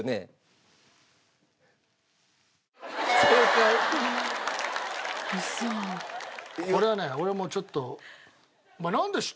これはこれはね俺もちょっと。